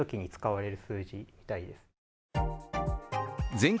全国